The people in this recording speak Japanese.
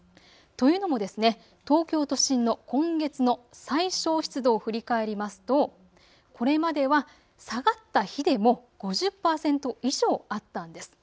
というのも東京都心の今月の最小湿度を振り返りますとこれまでは下がった日でも５０％以上あったんです。